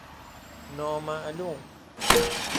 نا معلوم